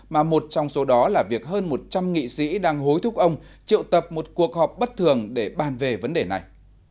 mà một trong số đó là việc hơn một trăm linh nghị sĩ đang hối thúc ông triệu tập một cuộc họp bất thường để bàn về vấn đề này